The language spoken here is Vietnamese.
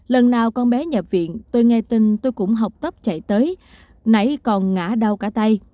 lần nào con bé nhập viện tôi nghe tin tôi cũng học tấp chạy tới nảy còn ngã đau cả tay